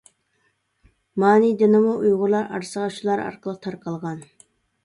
مانى دىنىمۇ ئۇيغۇرلار ئارىسىغا شۇلار ئارقىلىق تارقالغان.